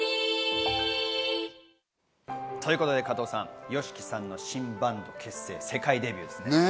加藤さん、ＹＯＳＨＩＫＩさんの新バンド結成、世界デビューですね。